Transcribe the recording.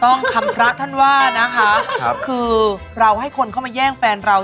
คำพระท่านว่านะคะคือเราให้คนเข้ามาแย่งแฟนเรา